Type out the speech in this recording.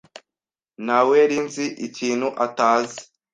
Naweri nzi ikintu atazi.